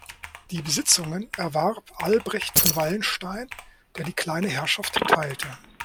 Die Besitzungen erwarb Albrecht von Wallenstein, der die kleine Herrschaft teilte.